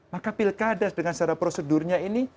maka pilkadas dengan prosedurnya ini